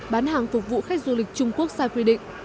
bán hàng phục vụ khách du lịch trung quốc sai quy định